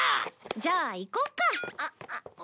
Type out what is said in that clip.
じゃあ行こうか！